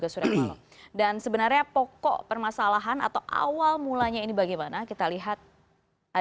salah satu pernyataan yang kemudian ini